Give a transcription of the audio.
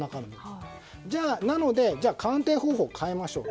なので、鑑定方法を変えましょう。